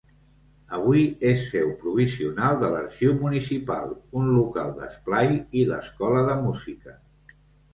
Avui és seu provisional de l'Arxiu Municipal, un local d'esplai i l'escola de música.